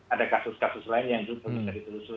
ada kasus kasus lain yang juga